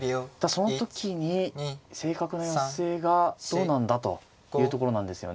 その時に正確な寄せがどうなんだというところなんですよね。